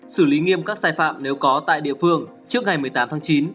xử lý nghiêm các sai phạm nếu có tại địa phương trước ngày một mươi tám tháng chín